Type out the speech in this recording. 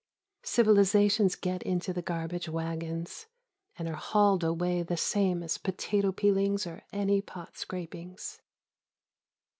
Civilizations get into the garbage wagons and are hauled away the same as potato peelings or any pot scrapings.